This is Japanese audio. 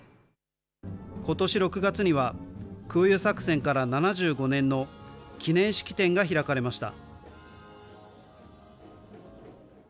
ことし６月には、空輸作戦から７５年の記念式典が開かれました。